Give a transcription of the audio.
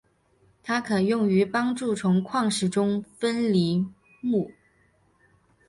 它可用于帮助从矿石中分离钼。